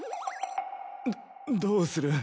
どどうする？